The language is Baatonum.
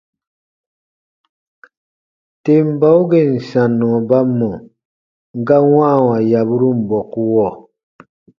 Tem bau gèn sannɔ ba mɔ̀ ga wãawa yaburun bɔkuɔ.